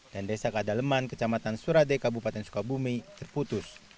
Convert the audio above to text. dan desa kadaleman kecamatan surade kabupaten sukabumi terputus